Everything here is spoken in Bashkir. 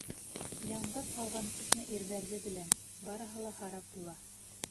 Яңғыҙ ҡалған күпме ирҙәрҙе беләм, барыһы ла харап була.